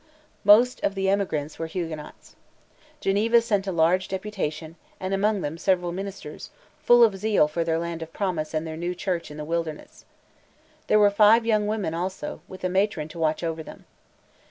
Most of the emigrants were Huguenots. Geneva sent a large deputation, and among them several ministers, full of zeal for their land of promise and their new church in the wilderness. There were five young women, also, with a matron to watch over them.